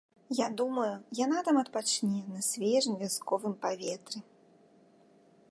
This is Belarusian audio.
Я думаю, яна там адпачне на свежым вясковым паветры.